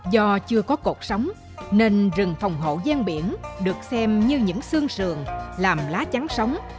do chưa có cuộc sống nên rừng phòng hộ gian biển được xem như những xương sườn làm lá trắng sống